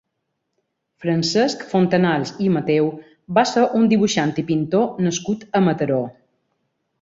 Francesc Fontanals i Mateu va ser un dibuixant i pintor nascut a Mataró.